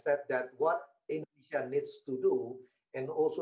mereka harus menahan uangnya